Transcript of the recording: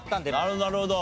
なるほどなるほど。